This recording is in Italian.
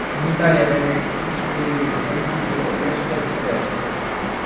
In Italia venne distribuito con il titolo "Lo spettro verde".